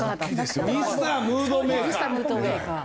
ミスタームードメーカー！